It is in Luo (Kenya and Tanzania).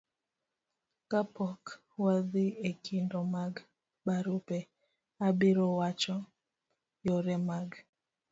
kapok wadhi e kido mag barupe, abiro wacho yore mag